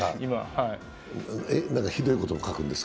ひどいことも書くんですか？